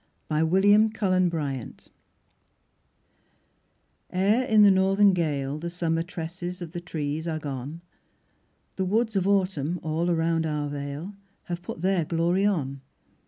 Archibald Lampman AUTUMN WOODS Ere, in the northern gale, The summer tresses of the trees are gone, The woods of Autumn, all around our vale, Have put their glory on.